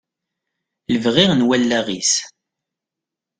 Lebɣi n wallaɣ-is.